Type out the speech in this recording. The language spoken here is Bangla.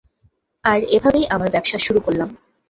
আর এভাবেই আমার ব্যাবসা শুরু করলাম।